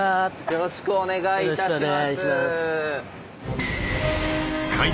よろしくお願いします。